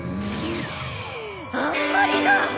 あんまりだ！